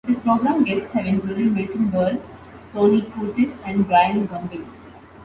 His program guests have included Milton Berle, Tony Curtis, and Bryant Gumbel.